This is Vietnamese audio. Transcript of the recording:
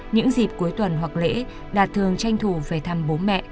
những dịp cuối tuần hoặc lễ đạt thường tranh thủ về thăm bố mẹ